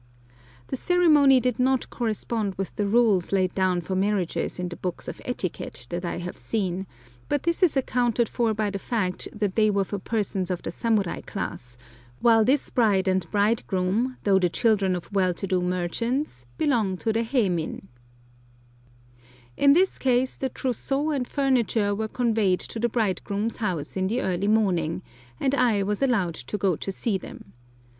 The ceremony did not correspond with the rules laid down for marriages in the books of etiquette that I have seen, but this is accounted for by the fact that they were for persons of the samurai class, while this bride and bridegroom, though the children of well to do merchants, belong to the heimin. In this case the trousseau and furniture were conveyed to the bridegroom's house in the early morning, and I was allowed to go to see them.